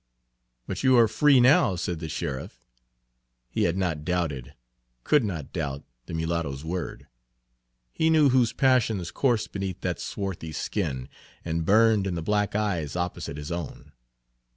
"But you are free now," said the sheriff. He had not doubted, could not doubt, the mulatto's word. He knew whose passions coursed beneath that swarthy skin and burned in the black eyes opposite his own.